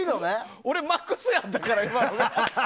俺、マックスやったから。